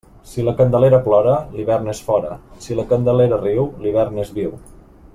Si la Candelera plora, l'hivern és fora; si la Candelera riu, l'hivern és viu.